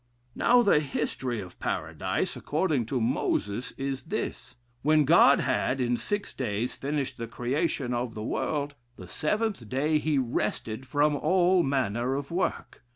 Now, the history of Paradise, according to Moses, is this: When God had, in six days, finished the creation of the world, the seventh day he rested from all manner of work.